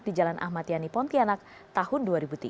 di jalan ahmadiyani pontianak tahun dua ribu tiga